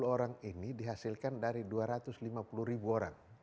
satu ratus lima puluh orang ini dihasilkan dari dua ratus lima puluh ribuan